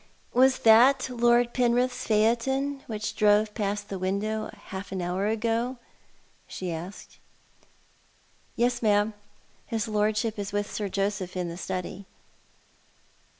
"Was that Lord Penrith's phaeton which drove past the window half an hour ago ?" she asked. " Yes, ma'am. His Lordship is with Sir Joseph in the study."